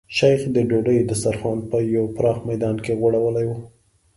شیخ د ډوډۍ دسترخوان په یو پراخ میدان کې غوړولی و.